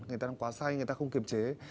người ta nó quá say người ta không kiềm chế